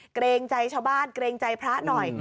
เกรงใจชาวบ้านเกรงใจพระหน่อย